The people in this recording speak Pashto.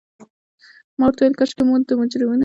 ما ورته وویل: کاشکي مو د مجرمینو په څېر ژوند نه کولای.